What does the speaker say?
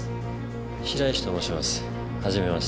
白石と申します。